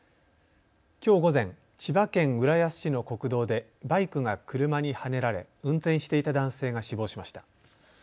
きょう午前、千葉県浦安市の国道でバイクが車にはねられ運転していた男性が死亡しました。